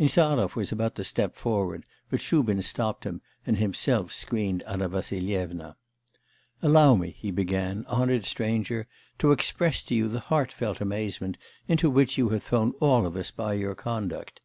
Insarov was about to step forward, but Shubin stopped him, and himself screened Anna Vassilyevna. 'Allow me,' he began, 'honoured stranger, to express to you the heartfelt amazement, into which you have thrown all of us by your conduct.